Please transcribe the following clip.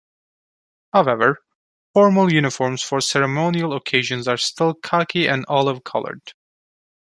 However, formal uniforms for ceremonial occasions are still khaki and olive-colored.